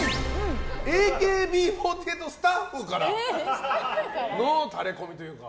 ＡＫＢ４８スタッフからのタレこみというか。